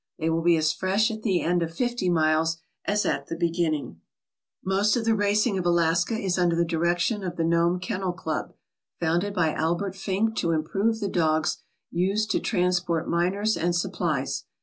They will be as fresh at the end of fifty miles as at the beginning/* Most of the racing of Alaska is under the direction of the Nome Kennel Club, founded by Albert Fink to im prove the dogs used to transport miners and supplies.